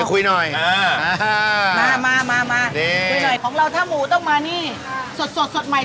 เออมาคุยหน่อยของเราถ้าหมูต้องมานี่สดสดใหม่ทุกวันเลยนะเห็นไหม